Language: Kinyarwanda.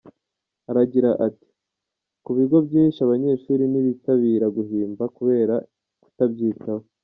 Aragira ati “ku bigo byinshi abanyeshuri ntibitabira guhimba kubera kutabyitaho.